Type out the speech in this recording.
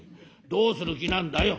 どうする気なんだよ」。